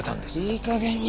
いい加減に。